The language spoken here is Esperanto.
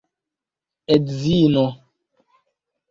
edzino